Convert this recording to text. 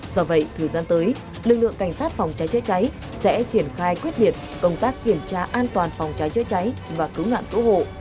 do vậy thời gian tới lực lượng cảnh sát phòng cháy chữa cháy sẽ triển khai quyết liệt công tác kiểm tra an toàn phòng cháy chữa cháy và cứu nạn cứu hộ